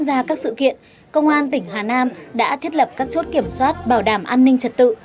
diễn ra các sự kiện công an tỉnh hà nam đã thiết lập các chốt kiểm soát bảo đảm an ninh trật tự